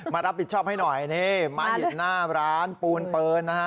มารับผิดชอบให้หน่อยม้าหินหน้าร้านปูนเปิ้ลนะฮะ